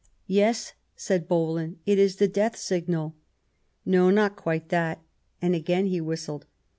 Yes," said Bohlen ;" it is the death signal." "No, not quite that," and again he whistled.